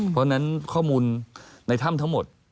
เพราะฉะนั้นข้อมูลในถ้ำทั้งหมด